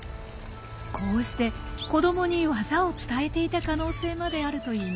こうして子どもに技を伝えていた可能性まであるといいます。